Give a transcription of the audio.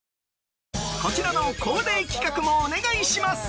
こちらの恒例企画もお願いします！